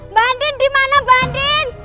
mbak andin dimana mbak andin